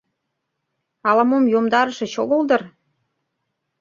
— Ала-мом йомдарышыч огыл дыр?